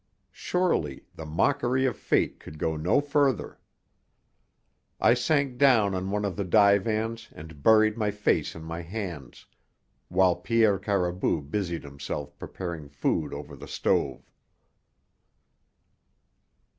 Surely the mockery of fate could go no further! I sank down on one of the divans and buried my face in my hands, while Pierre Caribou busied himself preparing food over the stove.